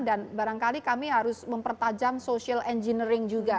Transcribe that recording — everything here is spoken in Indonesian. dan barangkali kami harus mempertajam social engineering juga